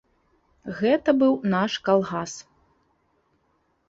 Гэта быў наш калгас.